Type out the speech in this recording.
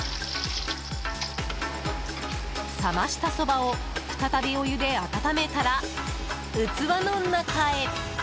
冷ましたそばを再びお湯で温めたら器の中へ。